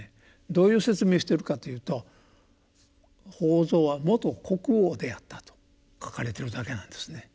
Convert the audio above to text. どういう説明してるかというと「法蔵は元国王であった」と書かれてるだけなんですね。